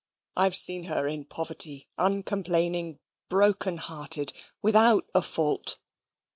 I've seen her in her poverty uncomplaining, broken hearted, without a fault.